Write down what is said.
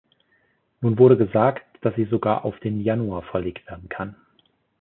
Nun wurde gesagt, dass sie sogar auf den Januar verlegt werden kann.